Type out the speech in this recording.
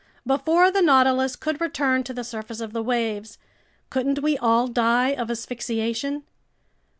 Before the Nautilus could return to the surface of the waves, couldn't we all die of asphyxiation?